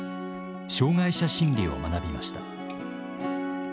障害者心理を学びました。